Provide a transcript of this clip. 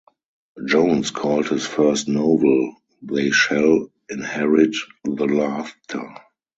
Jones called his first novel "They Shall Inherit the Laughter".